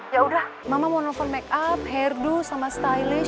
yaudah mama mau nelfon make up hairdo sama stylish